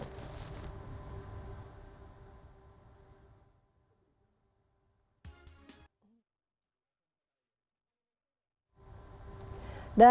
kabit humaz poldamaluku